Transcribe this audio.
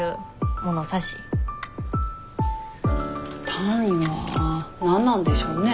単位は何なんでしょうね。